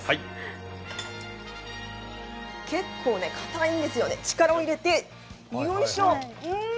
結構ね、硬いんですよね、力を入れて、よいしょ！